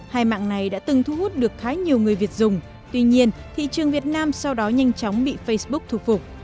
hai mạng này đã từng thu hút được khá nhiều người việt dùng tuy nhiên thị trường việt nam sau đó nhanh chóng bị facebook thủ phục